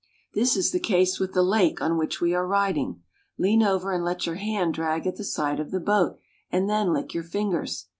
This is the case with the lake on which we are riding. Lean over and let your hand drag at the side of the boat, and then lick your fingers.